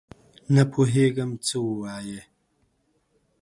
نه پوهېږم څه وایې ؟؟